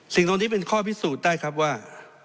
สิ่งตรงนี้เป็นข้อพิสูจน์ได้ครับว่า